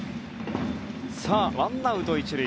ワンアウト、１塁。